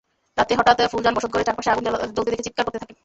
রাতে হঠাৎ ফুলজান বসতঘরের চারপাশে আগুন জ্বলতে দেখে চিৎকার করতে থাকেন।